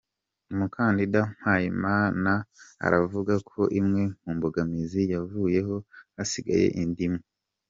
Umukandida Mpayimana aravuga ko imwe mu mbogamizi yavuyeho hasigaye indi imwe .